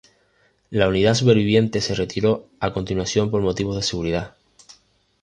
La unidad superviviente se retiró a continuación por motivos de seguridad.